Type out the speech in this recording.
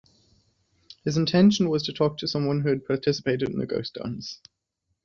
His intention was to talk to someone who had participated in the Ghost Dance.